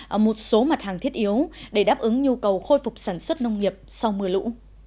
ở một số mặt hàng thiết yếu để đáp ứng nhu cầu khôi phục sản xuất nông nghiệp sau mưa lũ